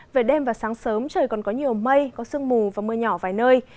về đêm và sáng sớm trời còn có nhiều mây có sương mù và mưa nhỏ vài nơi